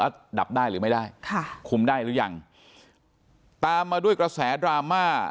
แล้วดับได้หรือไม่ได้ค่ะคุมได้หรือยังตามมาด้วยกระแสดราม่า